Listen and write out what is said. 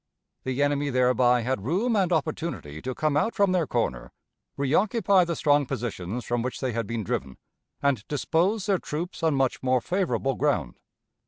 The enemy thereby had room and opportunity to come out from their corner, reoccupy the strong positions from which they had been driven, and dispose their troops on much more favorable ground.